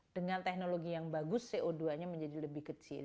dengan teknologi yang bagus co dua nya menjadi lebih kecil